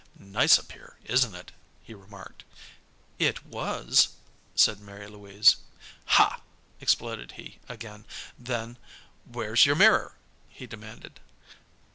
"Nice up here, isn't it?" he remarked. "It was," said Mary Louise. "Ha!" exploded he, again. Then, "Where's your mirror?" he demanded.